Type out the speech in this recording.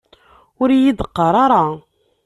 Ur iyi-d-qqar ara!